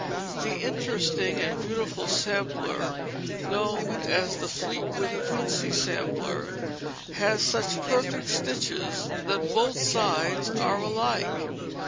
The interesting and beautiful sampler known as the Fleetwood Quincy Sampler has such perfect stitches that both sides are alike.